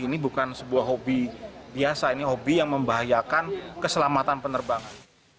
ini bukan sebuah hobi biasa ini hobi yang membahayakan keselamatan penerbangan